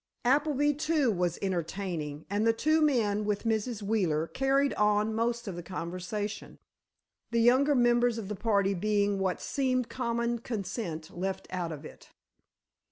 Appleby, too, was entertaining, and the two men, with Mrs. Wheeler, carried on most of the conversation, the younger members of the party being by what seemed common consent left out of it.